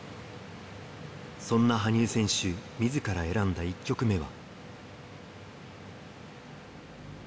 そんな羽生選手みずから選んだ１曲目は。